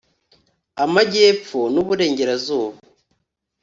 Amajyepfo n’u Burengerazuba